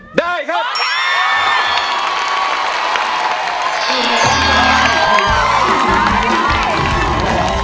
สำหรับเพลงนี้มีมูลค่า๔๐๐๐๐บาทคุณนุ้ยร้องไปแล้วนะครับ